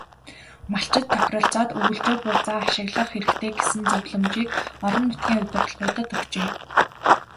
Малчид тохиролцоод өвөлжөө бууцаа ашиглах хэрэгтэй гэсэн зөвлөмжийг орон нутгийн удирдлагуудад өгчээ.